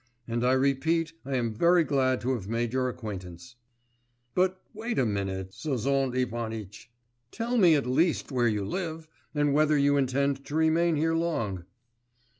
And I repeat I am very glad to have made your acquaintance.' 'But wait a minute, Sozont Ivanitch, tell me at least where you live, and whether you intend to remain here long.